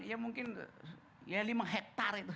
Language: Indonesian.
ya mungkin ya lima hektar itu